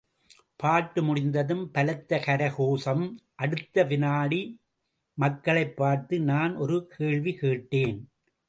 பாட்டு முடிந்ததும் பலத்த கரகோஷம், அடுத்த வினாடிமக்களைப் பார்த்து நான் ஒரு கேள்வி கேட்டேன்.